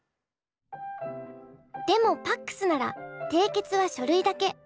でもＰＡＣＳなら締結は書類だけ。